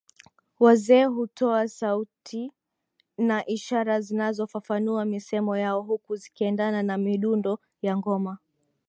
Wazee hutowa sauti na ishara zinazofafanua misemo yao huku zikiendana na midundo ya ngoma